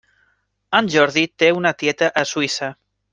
En Jordi té una tieta a Suïssa.